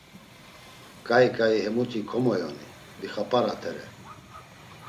Ǩai ǩai, hemuti komoyoni, vixap̌aratere.